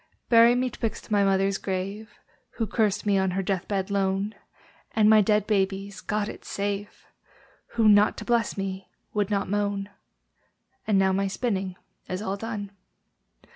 Bury me 'twixt my mother's grave, (Who cursed me on her death bed lone) And my dead baby's (God it save!) Who, not to bless me, would not moan. And now my spinning is all done.